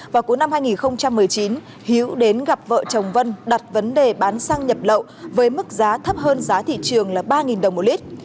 vào cuối năm hai nghìn một mươi chín hiếu đến gặp vợ chồng vân đặt vấn đề bán xăng nhập lậu với mức giá thấp hơn giá thị trường là ba đồng một lít